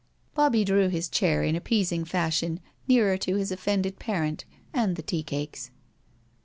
Bobbie drew his chair in appeasing fashion nearer to his offended parent and the tea cakes.